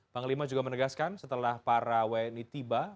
panglima juga menegaskan setelah para wni tiba